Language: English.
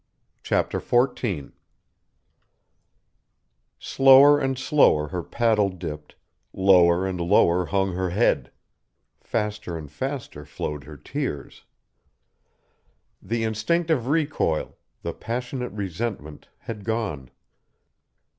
Chapter Fourteen Slower and slower her paddle dipped, lower and lower hung her head, faster and faster flowed her tears. The instinctive recoil, the passionate resentment had gone.